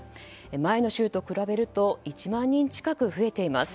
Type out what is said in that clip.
前の週と比べると１万人近く増えています。